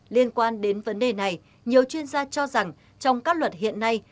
liên quan đến vấn đề này nhiều chuyên gia cho rằng trong các luật hiện nay